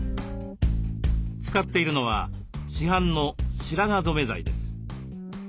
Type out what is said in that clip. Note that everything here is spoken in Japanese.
使っているのは市販の白髪染め剤です。